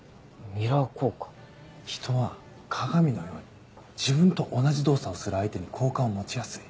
人は鏡のように自分と同じ動作をする相手に好感を持ちやすい。